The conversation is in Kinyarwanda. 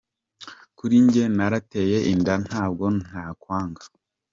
Kuri njye narateye inda ntabwo nakwanga.